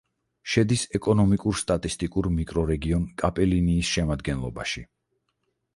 შედის ეკონომიკურ-სტატისტიკურ მიკრორეგიონ კაპელინიის შემადგენლობაში.